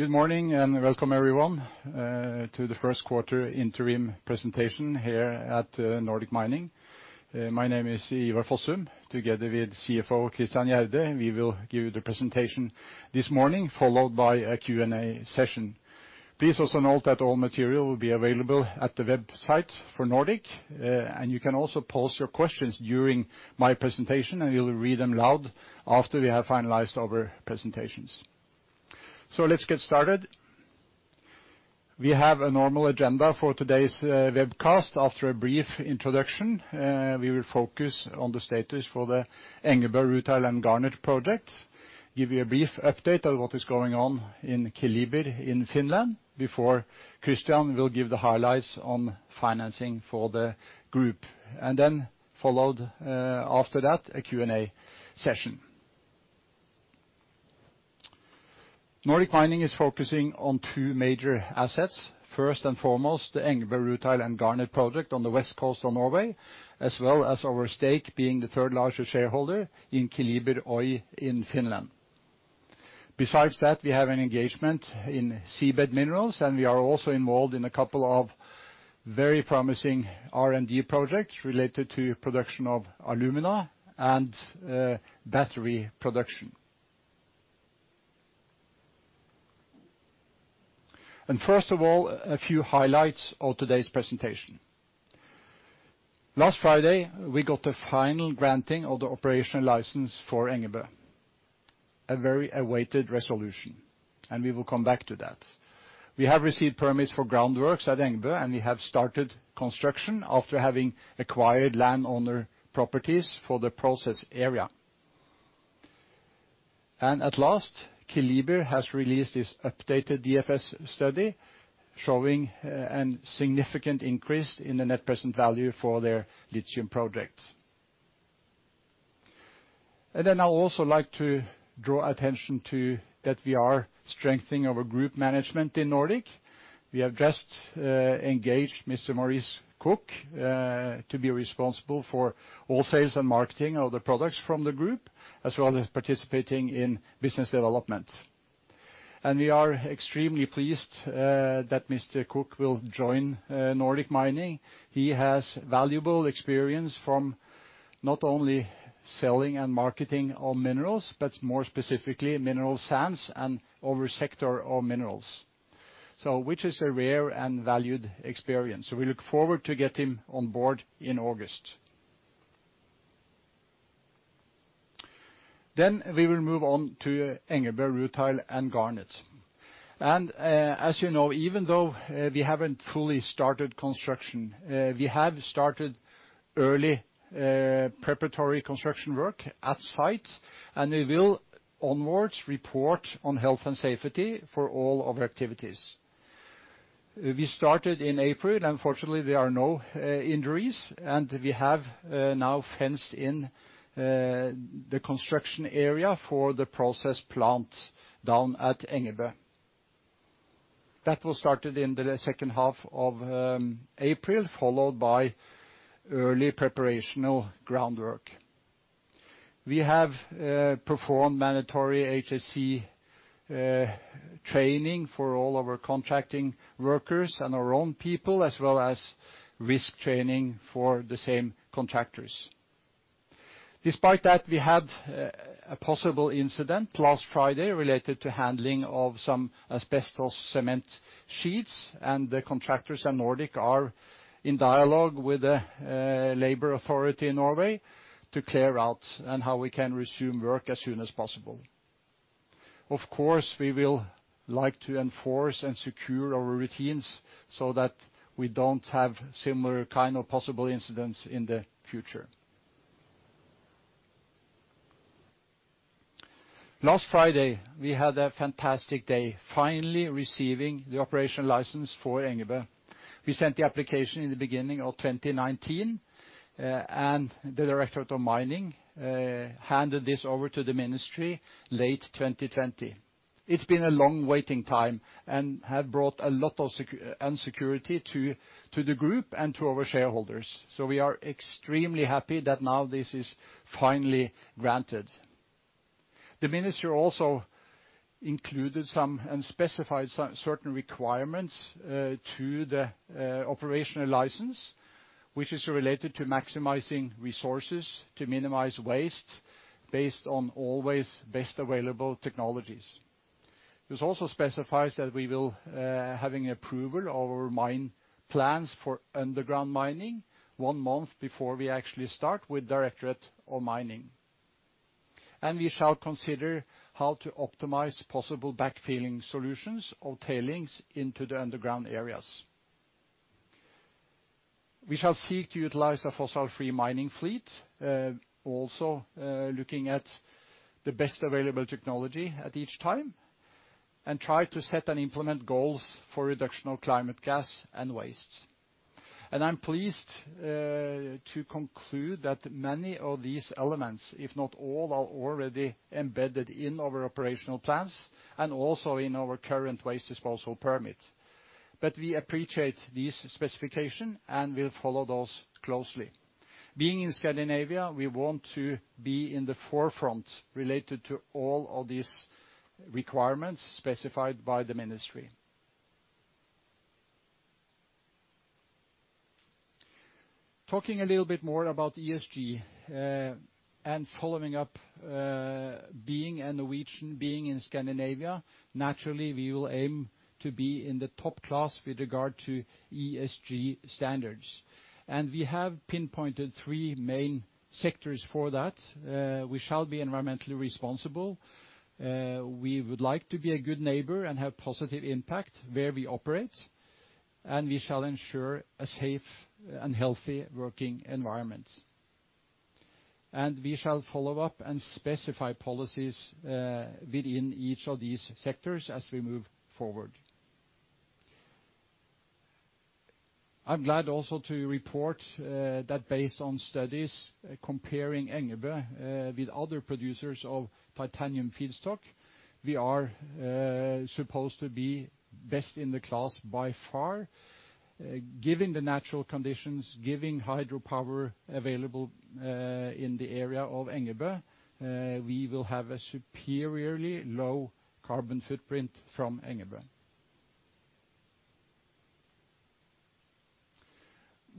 Good morning, and welcome everyone to the first quarter interim presentation here at Nordic Mining. My name is Ivar Fossum. Together with CFO Christian Gjerde, we will give the presentation this morning, followed by a Q&A session. Please also note that all material will be available at the website for Nordic Mining, and you can also post your questions during my presentation, and we'll read them loud after we have finalized our presentations. Let's get started. We have a normal agenda for today's webcast. After a brief introduction, we will focus on the status for the Engebø Rutile and Garnet project, give you a brief update on what is going on in Keliber in Finland, before Christian will give the highlights on financing for the group, and then, followed after that, a Q&A session. Nordic Mining is focusing on two major assets. First and foremost, the Engebø rutile and garnet project on the west coast of Norway, as well as our stake being the third largest shareholder in Keliber Oy in Finland. Besides that, we have an engagement in seabed minerals, and we are also involved in a couple of very promising R&D projects related to the production of alumina and battery production. First of all, a few highlights of today's presentation. Last Friday, we got the final granting of the operational license for Engebø, a very awaited resolution, and we will come back to that. We have received permits for groundworks at Engebø, and we have started construction after having acquired landowner properties for the process area. At last, Keliber has released its updated DFS study, showing a significant increase in the net present value for their lithium projects. I would also like to draw attention to the fact that we are strengthening our group management in Nordic. We have just engaged Mr. Maurice Cook to be responsible for wholesales and marketing of the products from the group, as well as participating in business development. We are extremely pleased that Mr. Cook will join Nordic Mining. He has valuable experience from not only selling and marketing of minerals, but more specifically mineral sands and other sectors of minerals, which is a rare and valued experience. We look forward to getting him on board in August. We will move on to Engebø Rutile and Garnet. As you know, even though we have not fully started construction, we have started early preparatory construction work at site, and we will onwards report on health and safety for all of our activities. We started in April. Unfortunately, there are no injuries, and we have now fenced in the construction area for the process plant down at Engebø. That was started in the second half of April, followed by early preparational groundwork. We have performed mandatory HSE training for all our contracting workers and our own people, as well as risk training for the same contractors. Despite that, we had a possible incident last Friday related to handling of some asbestos cement sheets, and the contractors at Nordic are in dialogue with the labor authority in Norway to clear out and how we can resume work as soon as possible. Of course, we will like to enforce and secure our routines so that we don't have similar kinds of possible incidents in the future. Last Friday, we had a fantastic day, finally receiving the operational license for Engebø. We sent the application in the beginning of 2019, and the Directorate of Mining handed this over to the Ministry late 2020. It has been a long waiting time and has brought a lot of unsecurity to the group and to our shareholders. We are extremely happy that now this is finally granted. The Minister also included some and specified certain requirements to the operational license, which is related to maximizing resources to minimize waste based on always best available technologies. It was also specified that we will have approval of our mine plans for underground mining one month before we actually start with the Directorate of Mining. We shall consider how to optimize possible backfilling solutions or tailings into the underground areas. We shall seek to utilize a fossil-free mining fleet, also looking at the best available technology at each time, and try to set and implement goals for reduction of climate gas and waste. I am pleased to conclude that many of these elements, if not all, are already embedded in our operational plans and also in our current waste disposal permit. We appreciate this specification and will follow those closely. Being in Scandinavia, we want to be in the forefront related to all of these requirements specified by the Ministry. Talking a little bit more about ESG and following up, being a Norwegian, being in Scandinavia, naturally, we will aim to be in the top class with regard to ESG standards. We have pinpointed three main sectors for that. We shall be environmentally responsible. We would like to be a good neighbor and have a positive impact where we operate. We shall ensure a safe and healthy working environment. We shall follow up and specify policies within each of these sectors as we move forward. I'm glad also to report that based on studies comparing Engebø with other producers of titanium feedstock, we are supposed to be best in the class by far. Given the natural conditions, given hydropower available in the area of Engebø, we will have a superiorly low carbon footprint from Engebø.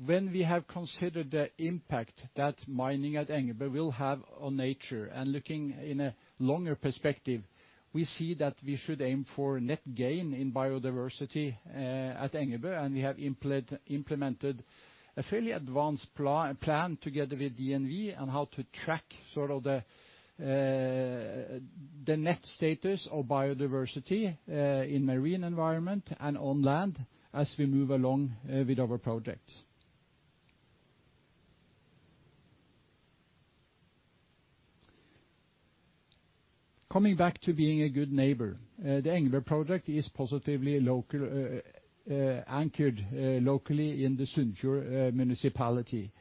When we have considered the impact that mining at Engebø will have on nature and looking in a longer perspective, we see that we should aim for net gain in biodiversity at Engebø, and we have implemented a fairly advanced plan together with DNV on how to track sort of the net status of biodiversity in marine environment and on land as we move along with our projects. Coming back to being a good neighbor, the Engebø project is positively anchored locally in the Sunnfjord municipality.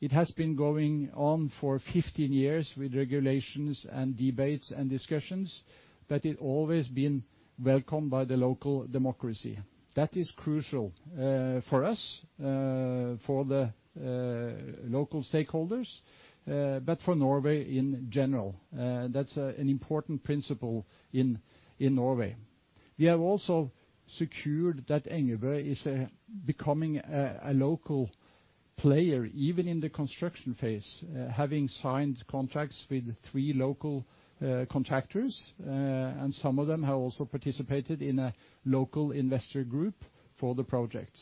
It has been going on for 15 years with regulations and debates and discussions, but it has always been welcomed by the local democracy. That is crucial for us, for the local stakeholders, but for Norway in general. That's an important principle in Norway. We have also secured that Engebø is becoming a local player even in the construction phase, having signed contracts with three local contractors, and some of them have also participated in a local investor group for the project.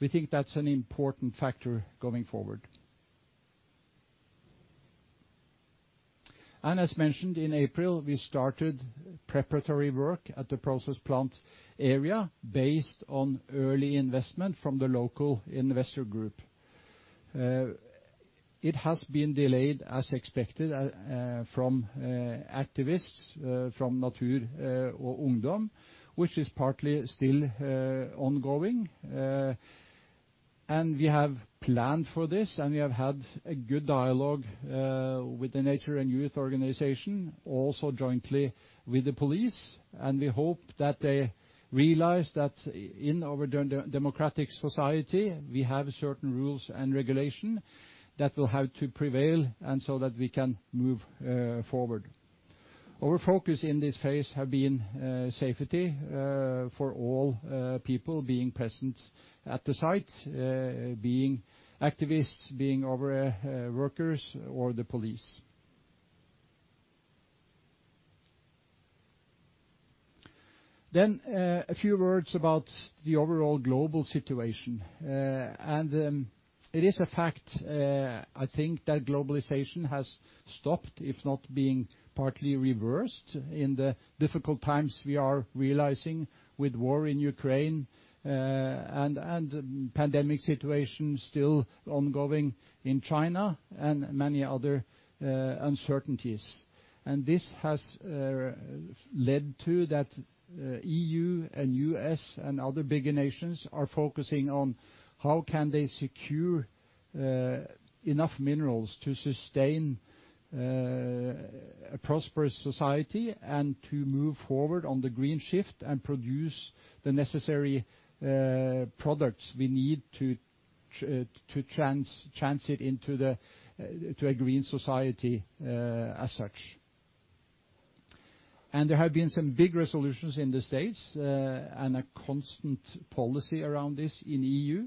We think that's an important factor going forward. As mentioned in April, we started preparatory work at the process plant area based on early investment from the local investor group. It has been delayed, as expected, from activists from Natur og Ungdom, which is partly still ongoing. We have planned for this, and we have had a good dialogue with the Nature and Youth Organization, also jointly with the police. We hope that they realize that in our democratic society, we have certain rules and regulations that will have to prevail so that we can move forward. Our focus in this phase has been safety for all people being present at the site, being activists, being our workers, or the police. A few words about the overall global situation. It is a fact, I think, that globalization has stopped, if not being partly reversed, in the difficult times we are realizing with war in Ukraine and the pandemic situation still ongoing in China and many other uncertainties. This has led to the EU and U.S. and other bigger nations focusing on how can they secure enough minerals to sustain a prosperous society and to move forward on the green shift and produce the necessary products we need to transit into a green society as such. There have been some big resolutions in the States and a constant policy around this in the EU.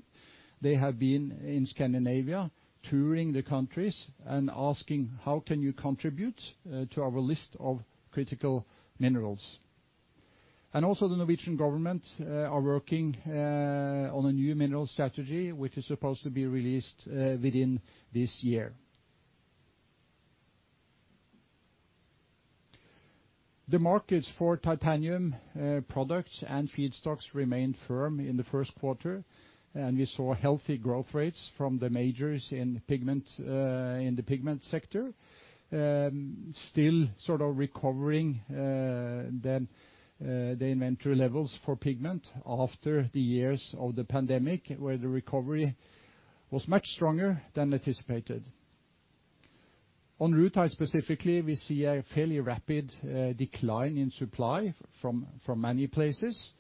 They have been in Scandinavia touring the countries and asking, "How can you contribute to our list of critical minerals?" The Norwegian government is working on a new mineral strategy, which is supposed to be released within this year. The markets for titanium products and feedstocks remained firm in the first quarter, and we saw healthy growth rates from the majors in the pigment sector, still sort of recovering the inventory levels for pigment after the years of the pandemic, where the recovery was much stronger than anticipated. On rutile, specifically, we see a fairly rapid decline in supply from many places,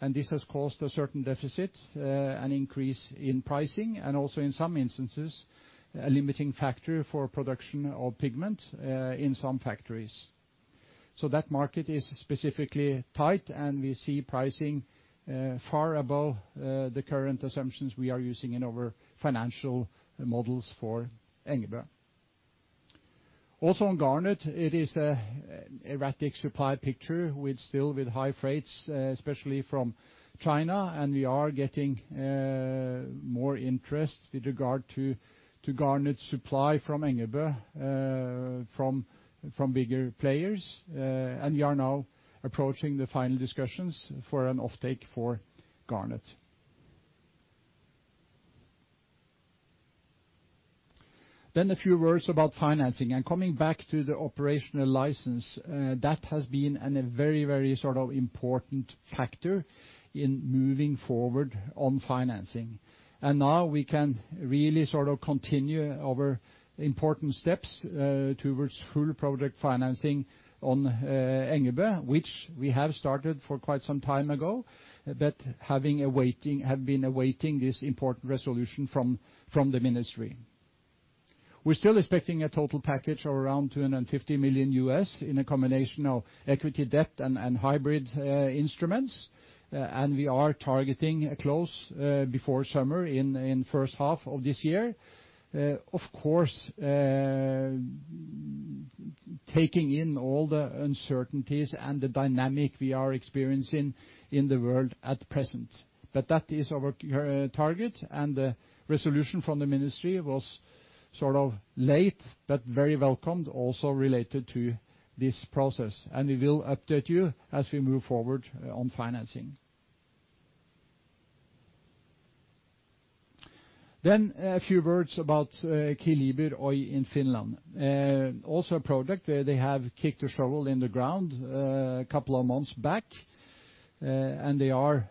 and this has caused a certain deficit, an increase in pricing, and also in some instances, a limiting factor for production of pigment in some factories. That market is specifically tight, and we see pricing far above the current assumptions we are using in our financial models for Engebø. Also, on garnet, it is an erratic supply picture still with high freights, especially from China, and we are getting more interest with regard to garnet supply from Engebø from bigger players. We are now approaching the final discussions for an offtake for garnet. A few words about financing and coming back to the operational license. That has been a very, very sort of important factor in moving forward on financing. Now we can really sort of continue our important steps towards full project financing on Engebø, which we have started for quite some time ago, but have been awaiting this important resolution from the Ministry. We're still expecting a total package of around $250 million in a combination of equity, debt, and hybrid instruments, and we are targeting a close before summer in the first half of this year. Of course, taking in all the uncertainties and the dynamic we are experiencing in the world at present. That is our target, and the resolution from the Ministry was sort of late but very welcomed also related to this process. We will update you as we move forward on financing. A few words about Keliber Oy in Finland. Also a project where they have kicked a shovel in the ground a couple of months back, and they are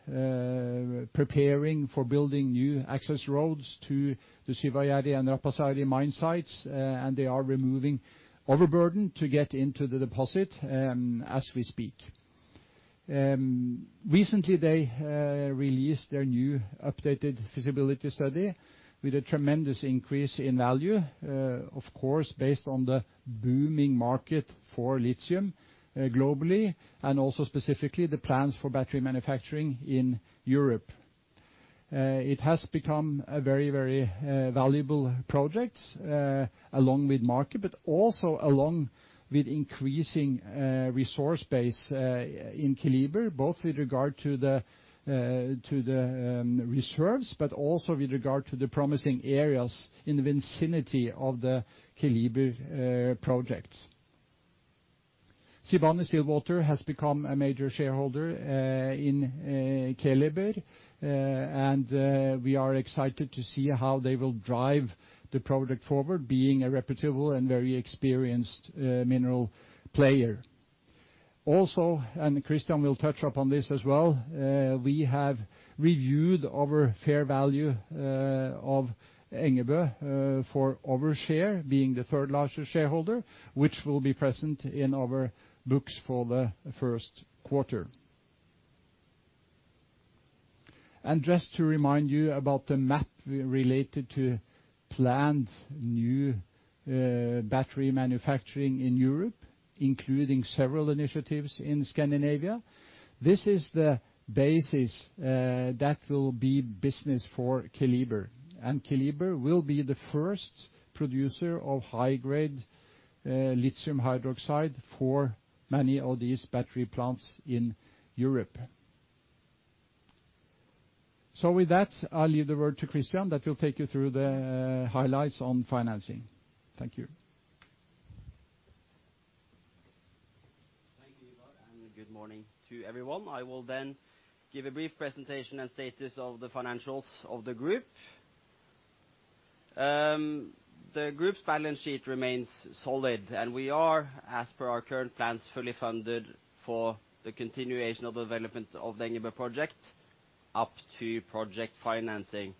preparing for building new access roads to the Syväjärvi and Rappasaari mine sites, and they are removing overburden to get into the deposit as we speak. Recently, they released their new updated feasibility study with a tremendous increase in value, of course, based on the booming market for lithium globally and also specifically the plans for battery manufacturing in Europe. It has become a very, very valuable project along with market, but also along with increasing resource base in Keliber, both with regard to the reserves, but also with regard to the promising areas in the vicinity of the Keliber projects. Sibanye-Stillwater has become a major shareholder in Keliber, and we are excited to see how they will drive the project forward, being a reputable and very experienced mineral player. Also, and Christian will touch upon this as well, we have reviewed our fair value of Keliber for our share, being the third largest shareholder, which will be present in our books for the first quarter. Just to remind you about the map related to planned new battery manufacturing in Europe, including several initiatives in Scandinavia, this is the basis that will be business for Keliber. Keliber will be the first producer of high-grade lithium hydroxide for many of these battery plants in Europe. With that, I'll leave the word to Christian that will take you through the highlights on financing. Thank you. Thank you, Ivar, and good morning to everyone. I will then give a brief presentation and status of the financials of the group. The group's balance sheet remains solid, and we are, as per our current plans, fully funded for the continuation of the development of the Engebø project up to project financing,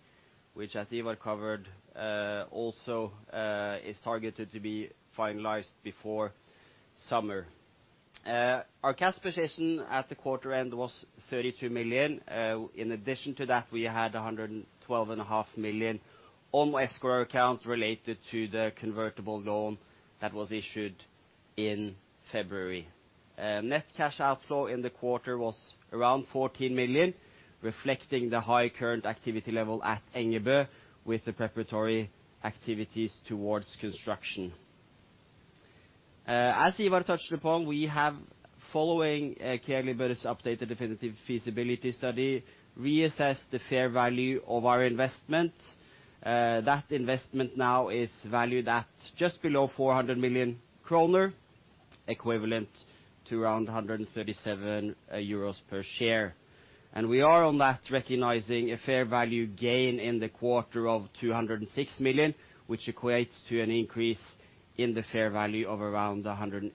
which, as Ivar covered, also is targeted to be finalized before summer. Our cash position at the quarter end was 32 million. In addition to that, we had 112.5 million on escrow accounts related to the convertible loan that was issued in February. Net cash outflow in the quarter was around 14 million, reflecting the high current activity level at Engebø with the preparatory activities towards construction. As Ivar touched upon, we have, following Keliber Oy's updated definitive feasibility study, reassessed the fair value of our investment. That investment now is valued at just below 400 million kroner, equivalent to around 137 euros per share. We are on that, recognizing a fair value gain in the quarter of 206 million, which equates to an increase in the fair value of around 108%.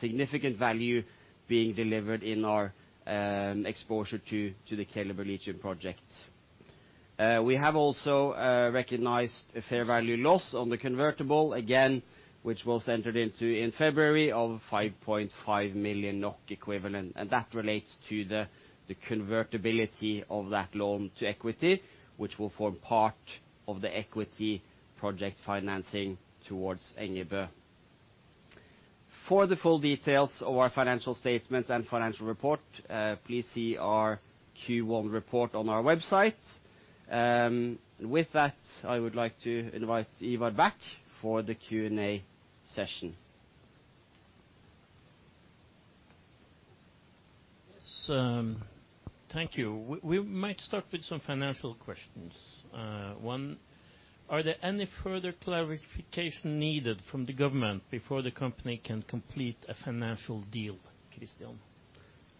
Significant value is being delivered in our exposure to the Keliber lithium project. We have also recognized a fair value loss on the convertible, again, which was entered into in February of 5.5 million NOK equivalent. That relates to the convertibility of that loan to equity, which will form part of the equity project financing towards Engebø. For the full details of our financial statements and financial report, please see our Q1 report on our website. With that, I would like to invite Ivar back for the Q&A session. Yes. Thank you. We might start with some financial questions. One, are there any further clarification needed from the government before the company can complete a financial deal, Christian?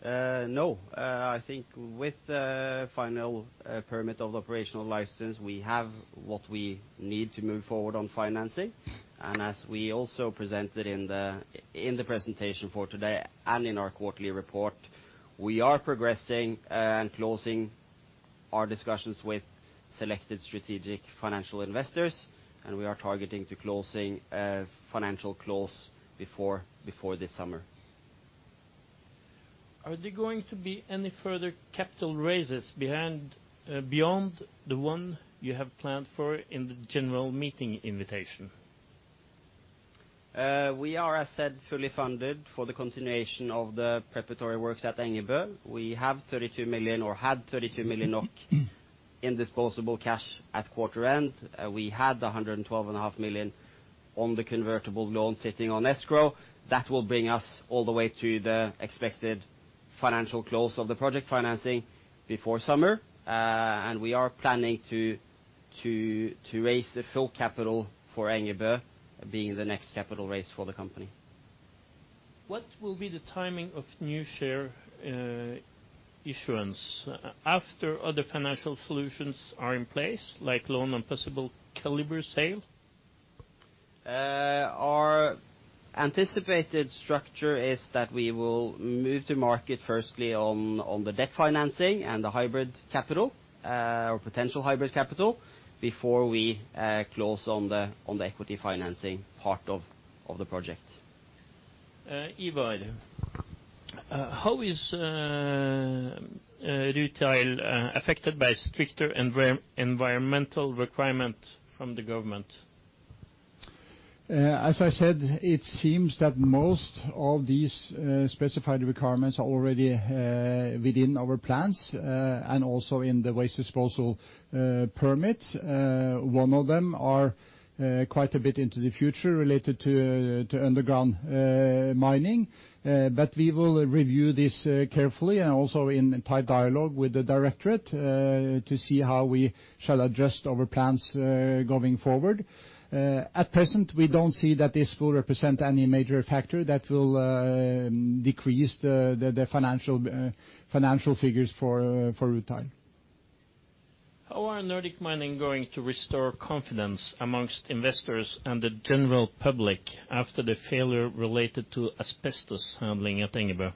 No. I think with the final permit of the operational license, we have what we need to move forward on financing. As we also presented in the presentation for today and in our quarterly report, we are progressing and closing our discussions with selected strategic financial investors, and we are targeting to close a financial clause before this summer. Are there going to be any further capital raises beyond the one you have planned for in the general meeting invitation? We are, as said, fully funded for the continuation of the preparatory works at Engebø. We have 32 million or had 32 million NOK in disposable cash at quarter end. We had 112.5 million on the convertible loan sitting on escrow. That will bring us all the way to the expected financial clause of the project financing before summer. We are planning to raise a full capital for Engebø, being the next capital raise for the company. What will be the timing of new share issuance after other financial solutions are in place, like loan and possible Keliber sale? Our anticipated structure is that we will move to market firstly on the debt financing and the hybrid capital or potential hybrid capital before we close on the equity financing part of the project. Ivar, how is rutile affected by stricter environmental requirements from the government? As I said, it seems that most of these specified requirements are already within our plans and also in the waste disposal permit. One of them is quite a bit into the future related to underground mining. We will review this carefully and also in tight dialogue with the directorate to see how we shall adjust our plans going forward. At present, we do not see that this will represent any major factor that will decrease the financial figures for rutile. How are Nordic Mining going to restore confidence amongst investors and the general public after the failure related to asbestos handling at Engebø?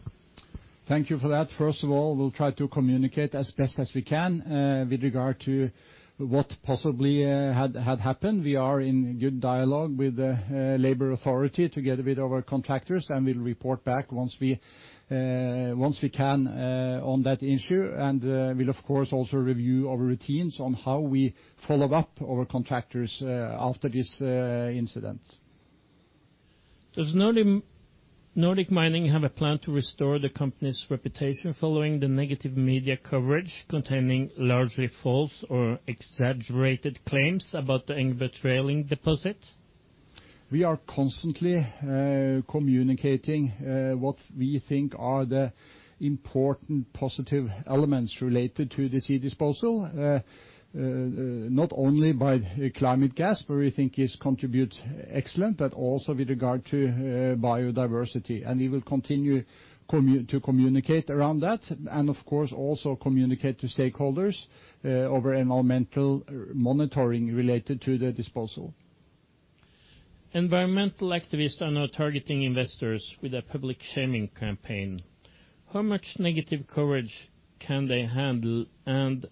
Thank you for that. First of all, we'll try to communicate as best as we can with regard to what possibly had happened. We are in good dialogue with the Labor Authority together with our contractors, and we'll report back once we can on that issue. We'll, of course, also review our routines on how we follow up our contractors after this incident. Does Nordic Mining have a plan to restore the company's reputation following the negative media coverage containing largely false or exaggerated claims about the Engebø trailing deposit? We are constantly communicating what we think are the important positive elements related to the sea disposal, not only by climate gas, where we think contributes excellent, but also with regard to biodiversity. We will continue to communicate around that and, of course, also communicate to stakeholders over environmental monitoring related to the disposal. Environmental activists are now targeting investors with a public shaming campaign. How much negative coverage can they handle, and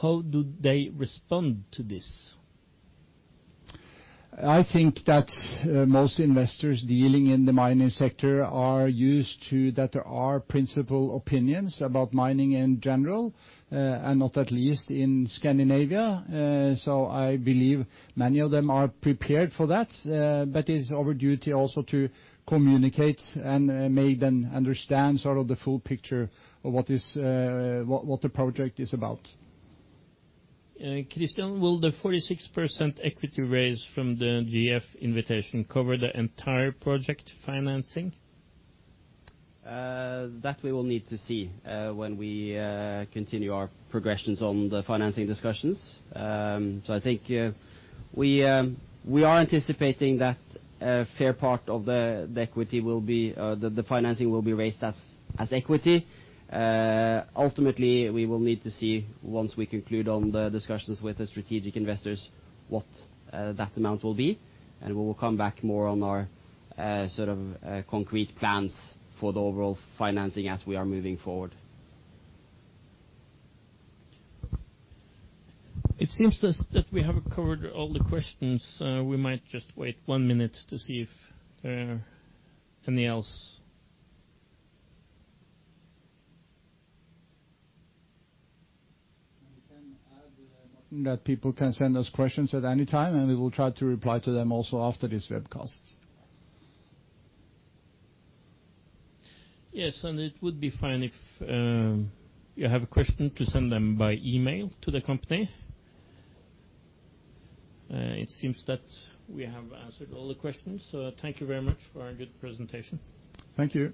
how do they respond to this? I think that most investors dealing in the mining sector are used to that there are principal opinions about mining in general, and not at least in Scandinavia. I believe many of them are prepared for that, but it's our duty also to communicate and make them understand sort of the full picture of what the project is about. Christian, will the 46% equity raise from the GF invitation cover the entire project financing? That we will need to see when we continue our progressions on the financing discussions. I think we are anticipating that a fair part of the financing will be raised as equity. Ultimately, we will need to see once we conclude on the discussions with the strategic investors what that amount will be. We will come back more on our sort of concrete plans for the overall financing as we are moving forward. It seems that we have covered all the questions. We might just wait one minute to see if there are any else. That people can send us questions at any time, and we will try to reply to them also after this webcast. Yes. If you have a question, you can send it by email to the company. It seems that we have answered all the questions. Thank you very much for a good presentation. Thank you.